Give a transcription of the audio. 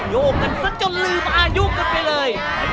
โยกกันซะจนลืมอายุกันไปเลย